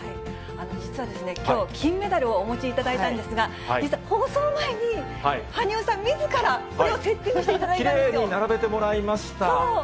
実はですね、きょう、金メダルをお持ちいただいたんですが、実は、放送前に羽生さんみずから、これをセッティングしていただいたんですよ。